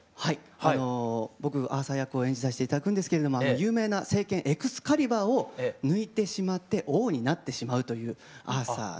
あの僕アーサー役を演じさせて頂くんですけれどもあの有名な聖剣エクスカリバーを抜いてしまって王になってしまうというアーサーの成長物語といいますか。